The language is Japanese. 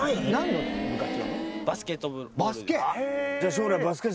バスケ！